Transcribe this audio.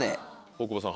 大久保さん